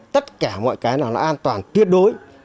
tất cả mọi cái nó an toàn tiết đối